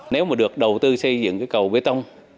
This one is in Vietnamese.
nếu mà được đầu tư xây dựng cái cầu bê tông